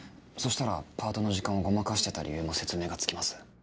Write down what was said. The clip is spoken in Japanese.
そしたらパートの時間をごまかしてた理由も説明がつきます。